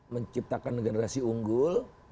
menciptakan generasi unggul